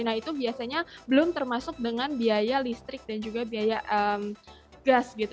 nah itu biasanya belum termasuk dengan biaya listrik dan juga biaya gas gitu